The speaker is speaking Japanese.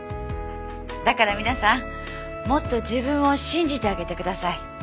だから皆さんもっと自分を信じてあげてください。